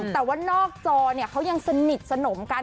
แต่ว่านอกจอเขายังสนิทสนมกัน